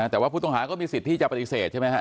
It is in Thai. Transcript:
แต่ว่าผู้ต้องหาก็มีสิทธิ์ที่จะปฏิเสธใช่ไหมครับ